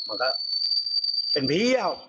มันก็เป็นผีอะ